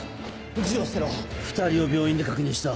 銃を捨てろ２人を病院で確認した。